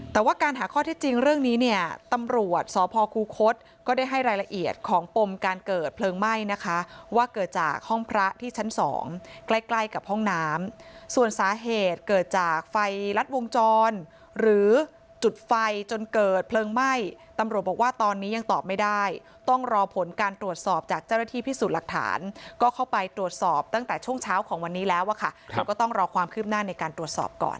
ถ้าจริงเรื่องนี้เนี่ยตำรวจสพคุคศก็ได้ให้รายละเอียดของปมการเกิดเพลิงไหม้นะคะว่าเกิดจากห้องพระที่ชั้น๒ใกล้กับห้องน้ำส่วนสาเหตุเกิดจากไฟรัดวงจรหรือจุดไฟจนเกิดเพลิงไหม้ตำรวจบอกว่าตอนนี้ยังตอบไม่ได้ต้องรอผลการตรวจสอบจากเจ้าหน้าที่พิสูจน์หลักฐานก็เข้าไปตรวจ